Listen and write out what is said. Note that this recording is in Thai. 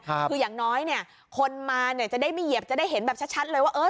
คืออย่างน้อยเนี่ยคนมาเนี่ยจะได้ไม่เหยียบจะได้เห็นแบบชัดเลยว่าเออ